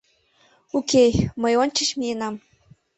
Уке, мый ончыч миенам.